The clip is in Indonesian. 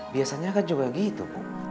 biasanya kan juga gitu